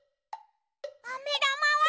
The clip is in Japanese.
あめだまは？